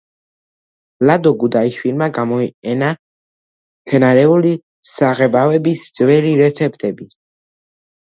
ლადო გუდიაშვილმა გამოიყენა მცენარეული საღებავების ძველი რეცეპტები.